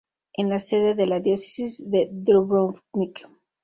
Es la sede de la Diócesis de Dubrovnik.